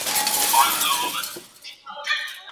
ښوونځی زدهکوونکو ته د نړیوال لید پراخوالی ورکوي.